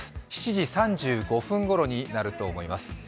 ７時３５分ごろになると思います。